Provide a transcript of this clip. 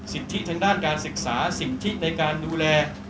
สิทธิทางด้านการศึกษาสิทธิในการดูแล